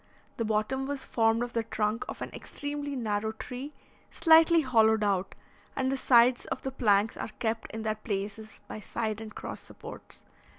The bottom was formed of the trunk of an extremely narrow tree, slightly hollowed out, and the sides of the planks are kept in their places by side and cross supports.